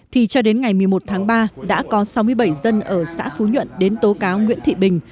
thì cho đến ngày một mươi một tháng ba đã có sáu mươi bảy dân ở xã phú nhuận đến tố cáo nguyễn thị bình